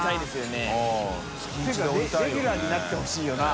レギュラーになってほしいよな。